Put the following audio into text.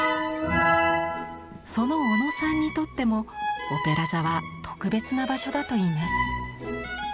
その小野さんにとってもオペラ座は特別な場所だといいます。